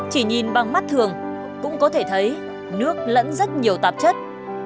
chỉ nhìn bằng mắt thường cũng có thể thấy nước lẫn rất nhiều tạp chất